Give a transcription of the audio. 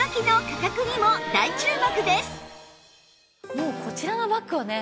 もうこちらのバッグはね